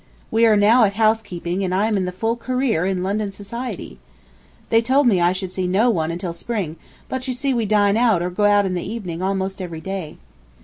We are now at housekeeping, and I am in the full career in London society. They told me I should see no one until spring, but you see we dine out or go out in the evening almost every day.